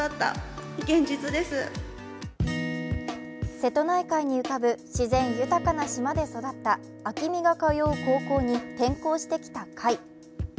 瀬戸内海に浮かぶ自然豊かな島で育った暁海が通う高校に転校してきたカイ。